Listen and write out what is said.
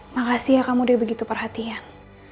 makasih ya kamu udah begitu perhatian